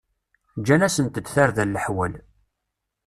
Gǧan-asent-d tarda leḥwal.